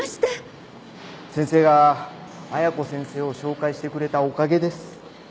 先生が綾子先生を紹介してくれたおかげです。